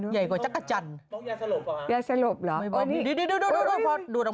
ใหญ่กว่าจักรจันทร์